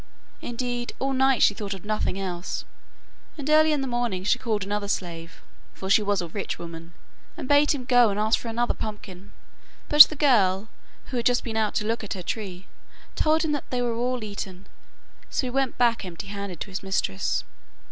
Indeed, all night she thought of nothing else, and early in the morning she called another slave (for she was a rich woman) and bade him go and ask for another pumpkin. But the girl, who had just been out to look at her tree, told him that they were all eaten, so he went back empty handed to his mistress.